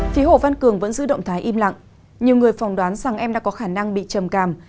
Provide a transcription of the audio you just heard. phía hồ văn cường vẫn giữ động thái im lặng nhiều người phỏng đoán rằng em đã có khả năng bị trầm cảm